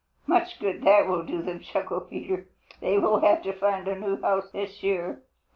"Much good that will do them," chuckled Peter. "They will have to find a new house this year.